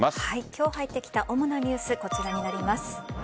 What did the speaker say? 今日入ってきた主なニュースこちらになります。